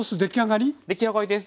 出来上がりです。